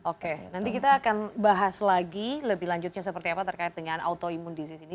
oke nanti kita akan bahas lagi lebih lanjutnya seperti apa terkait dengan autoimune disease ini